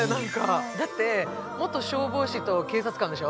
だって元消防士と警察官でしょ。